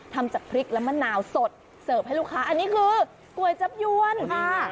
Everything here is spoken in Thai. ทำจากพริกและมะนาวสดเสิร์ฟให้ลูกค้าอันนี้คือก๋วยจับยวนค่ะ